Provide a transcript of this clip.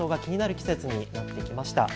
季節になってきました。